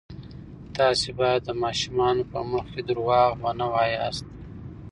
تاسې باید د ماشومانو په مخ کې درواغ ونه وایاست.